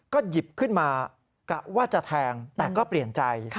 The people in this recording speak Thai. ก็หยิบขึ้นมากะว่าจะแทงแต่ก็เปลี่ยนใจ